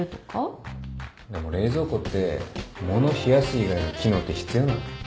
でも冷蔵庫って物冷やす以外の機能って必要なん？